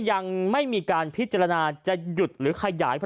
ยังไม่มีการพิจารณาจะหยุดหรือขยายผล